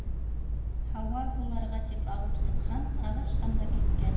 Һауа һуларға тип алып сыҡһам, аҙашҡан да киткән.